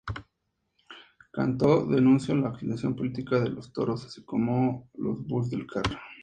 Cantó denunció la utilización política de los toros, así como los "bous al carrer".